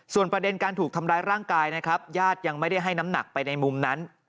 ประเด็นการถูกทำร้ายร่างกายนะครับญาติยังไม่ได้ให้น้ำหนักไปในมุมนั้น